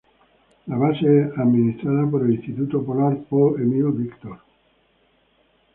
La base es administrada por el Instituto Polar Paul-Émile Victor.